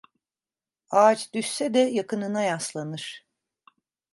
Ağaç düşse de yakınına yaslanır.